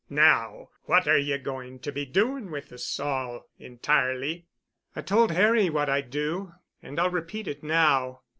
Now what are ye going to be doing with us all entirely?" "I told Harry what I'd do, and I'll repeat it now.